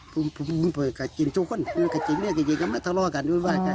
ผัวกะกินแม่กะกิน